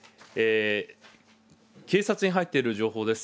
警察に入っている情報です。